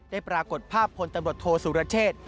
ปรากฏภาพพลตำรวจโทษสุรเชษ